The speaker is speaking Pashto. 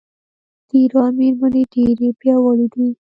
د ایران میرمنې ډیرې پیاوړې دي.